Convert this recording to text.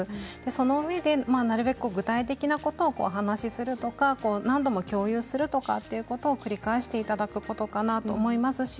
そのうえでなるべく具体的なことをお話しするとか何度も共有するということを繰り返していただくことかなと思います。